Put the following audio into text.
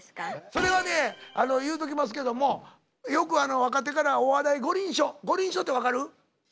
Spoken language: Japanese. それはね言うときますけどもよくあの若手からお笑い五輪書「五輪書」って分かる？